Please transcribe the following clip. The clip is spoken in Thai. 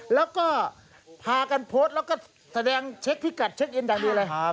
แล้วก็พากันโพสต์แล้วก็แสดงเช็คพิกัดเช็คอินดังมีอะไร